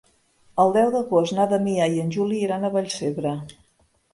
El deu d'agost na Damià i en Juli iran a Vallcebre.